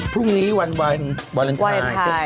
วันนี้วันเวลาวาเลนดราย